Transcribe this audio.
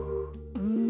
うん。